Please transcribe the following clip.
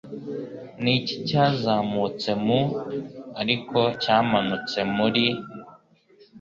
Ni iki cyazamutse mu ariko cyamanutse muri?